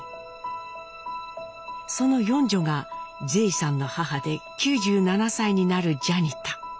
その四女がジェイさんの母で９７歳になるジャニタ。